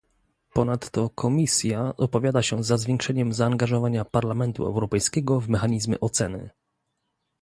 Ponadto Komisja opowiada się za zwiększeniem zaangażowania Parlamentu Europejskiego w mechanizmy oceny